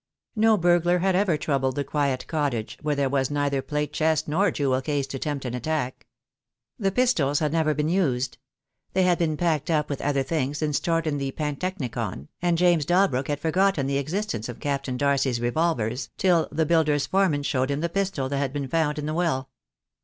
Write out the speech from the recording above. No burglar had ever troubled the quiet cottage, where there was neither plate chest nor jewel case to tempt an attack. The pistols had never been used. They had been packed up with other things and stored in the Pan technicon, and James Dalbrook had forgotten the exist ence of Captain Darcy's revolvers till the builder's fore THE DAY WILL COME. 235 man showed him the pistol that had been found in the well.